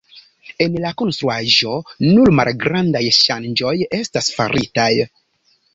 En la konstruaĵo nur malgrandaj ŝanĝoj estas faritaj.